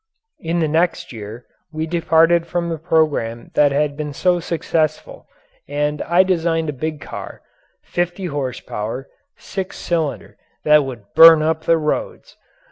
In the next year we departed from the programme that had been so successful and I designed a big car fifty horsepower, six cylinder that would burn up the roads.